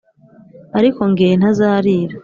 ariko ko nge ntazarira!